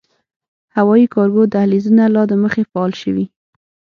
هوايي کارګو دهلېزونه لا دمخه “فعال” شوي